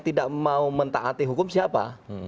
tidak mau mentaati hukum siapa